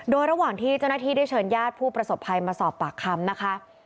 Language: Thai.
โดยระหว่างที่เจ้าหน้าที่ได้เชิญญาติผู้ประสบภัยมาสอบปากคำนะคะ